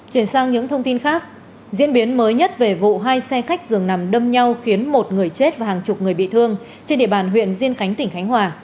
chuyển sang những thông tin khác diễn biến mới nhất về vụ hai xe khách dường nằm đâm nhau khiến một người chết và hàng chục người bị thương trên địa bàn huyện diên khánh tỉnh khánh hòa